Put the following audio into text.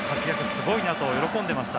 すごいなと喜んでいました。